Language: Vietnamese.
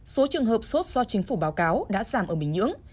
số trường hợp sốt do chính phủ báo cáo đã giảm ở bình nhưỡng